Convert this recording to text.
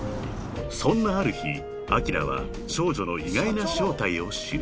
［そんなある日あきらは少女の意外な正体を知る］